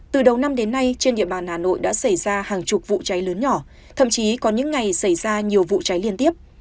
từ đầu năm đến nay trên địa bàn hà nội đã xảy ra hàng chục vụ cháy lớn nhỏ thậm chí có những ngày xảy ra nhiều vụ cháy liên tiếp